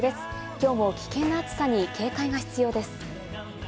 きょうも危険な暑さに警戒が必要です。